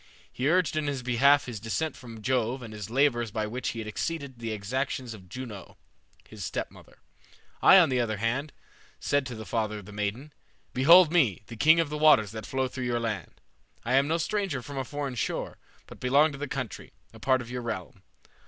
He urged in his behalf his descent from Jove and his labors by which he had exceeded the exactions of Juno, his stepmother. I, on the other hand, said to the father of the maiden, 'Behold me, the king of the waters that flow through your land. I am no stranger from a foreign shore, but belong to the country, a part of your realm.